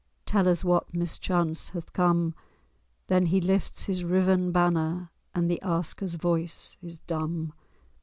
Tell us what mischance hath come." Then he lifts his riven banner, And the asker's voice is dumb.